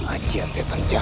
ajiat setan jangki